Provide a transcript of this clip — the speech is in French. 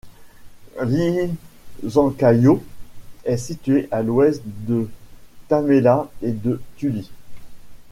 Liisankallio est situé à l'Ouest de Tammela et de Tulli.